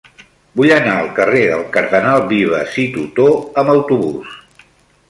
Vull anar al carrer del Cardenal Vives i Tutó amb autobús.